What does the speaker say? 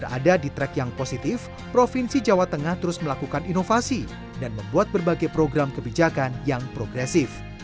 jika ada di track yang positif provinsi jawa tengah terus melakukan inovasi dan membuat berbagai program kebijakan yang progresif